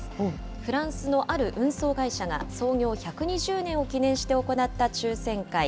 フランスのある運送会社が創業１２０年を記念して行った抽せんかい。